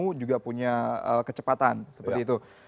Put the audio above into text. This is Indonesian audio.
kamu juga punya kecepatan seperti itu